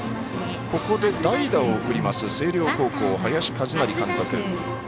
ここで代打を送ります星稜高校、林和成監督。